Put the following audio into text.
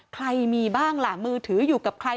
ใครมีบ้างล่ะมือถืออยู่กับใคร